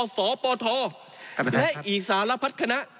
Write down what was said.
สปธและอีศารพัฒนา